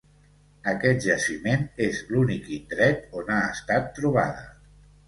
Aquest jaciment és l'únic indret on ha estat trobada.